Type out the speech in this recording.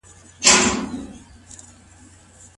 که ښځه بن ونلري نو له استمتاع څخه ډډه کولای سي؟